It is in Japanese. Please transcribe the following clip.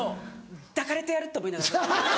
抱かれてやる！と思いながら。